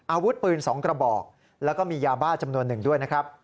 อาวุธปืน๒กระบอกแล้วก็มียาบ้าจำนวนหนึ่งด้วยนะครับ